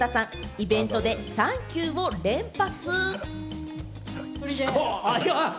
イベントでサンキュー！を連発。